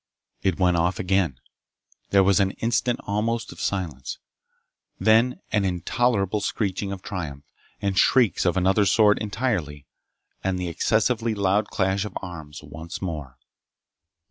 It went off again. There was an instant almost of silence. Then an intolerable screeching of triumph, and shrieks of another sort entirely, and the excessively loud clash of arms once more.